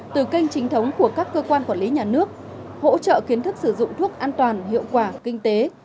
từ kênh chính thống của các cơ quan quản lý nhà nước hỗ trợ kiến thức sử dụng thuốc an toàn hiệu quả kinh tế